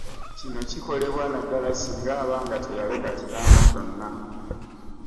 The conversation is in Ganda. Kino kikolebwa naddala singa aba nga teyaleka kiraamo kyonna.